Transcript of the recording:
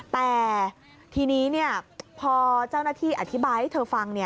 แต่ทีนี้พอเจ้าหน้าที่อธิบายให้เธอฟัง